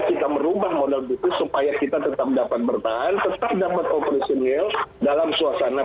kita merubah model buku supaya kita tetap dapat bertahan tetap dapat operasi mil dalam suasana